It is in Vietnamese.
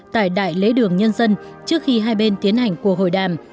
tại đại lễ đường nhân dân trước khi hai bên tiến hành cuộc hội đàm